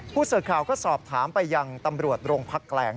ผู้สื่อข่าวก็สอบถามไปยังตำรวจโรงพักแกลง